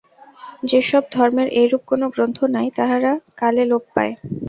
যে-সব ধর্মের এইরূপ কোন গ্রন্থ নাই, তাহারা কালে লোপ পায়।